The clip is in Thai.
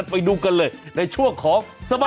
อยู่หน้าจอนะคะ